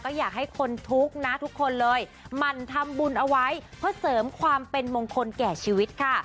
ก็อยากให้คนทุกข์นะทุกคนเลยหมั่นทำบุญเอาไว้เพื่อเสริมความเป็นมงคลแก่ชีวิตค่ะ